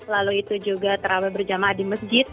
lalu itu juga terawih berjamaah di masjid